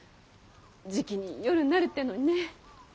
じきに夜になるってぇのにねぇ。